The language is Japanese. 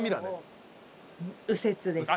右折です。